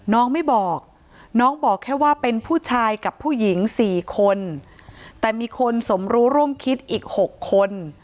น้องไม่บอกน้องบอกแค่ว่าเป็นผู้ชายกับผู้หญิง๔คนแต่มีคนสมรู้ร่วมคิดอีก๖คน